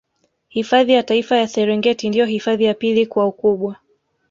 Hifadhi ya Taifa ya Serengeti ndio hifadhi ya pili kwa ukubwa